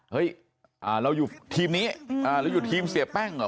เฮ้ยเราอยู่ทีมนี้หรืออยู่ทีมเสียแป้งเหรอ